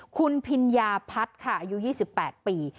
คุณพิญญาพัฒน์ค่ะอายุ๒๘ปี